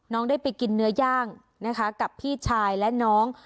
ได้ไปกินเนื้อย่างนะคะกับพี่ชายและน้อง